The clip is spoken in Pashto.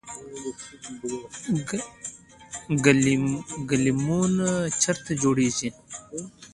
ګلیمونه چیرته جوړیږي؟